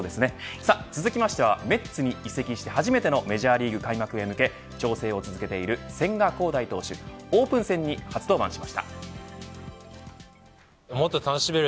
続きましては、メッツに移籍して初めてのメジャーリーグ開幕へ向け調整を続けている千賀滉大投手オープン戦に初登板しました。